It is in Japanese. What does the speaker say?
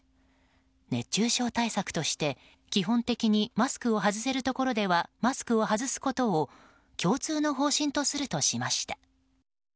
熱中症対策として基本的にマスクを外せるところではマスクを外すことを共通の方針とするとしました。